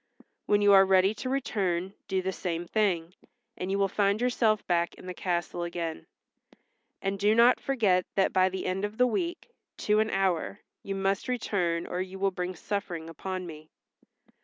When you are ready to return do the same thing, and you will find yourself back in the castle again. And do not forget that by the end of a week, to an hour, you must return or you will bring suffering upon me."